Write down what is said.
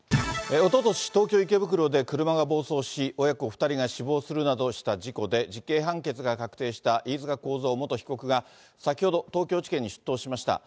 おととし、東京・池袋で車が暴走し、親子２人が死亡するなどした事故で、実刑判決が確定した飯塚幸三元被告が、先ほど、東京地検に出頭しました。